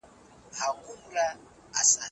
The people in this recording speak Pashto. د ملکیار په سبک کې د کلام روانی او ښکلا شته.